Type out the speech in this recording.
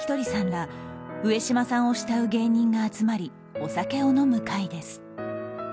ら上島さんを慕う芸人が集まりお酒を飲む会です。